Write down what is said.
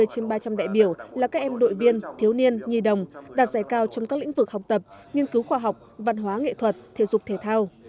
ba mươi trên ba trăm linh đại biểu là các em đội viên thiếu niên nhi đồng đạt giải cao trong các lĩnh vực học tập nghiên cứu khoa học văn hóa nghệ thuật thể dục thể thao